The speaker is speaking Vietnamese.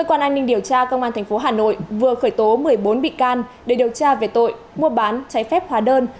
an ninh điều tra công an thành phố hà nội vừa khởi tố một mươi bốn bị can để điều tra về tội mua bán trái phép hóa đơn